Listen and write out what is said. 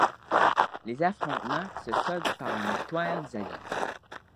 Les affrontements se soldent par une victoire des Alliés.